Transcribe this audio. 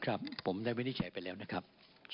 ครับผมได้วินิจฉัยไปแล้วนะครับ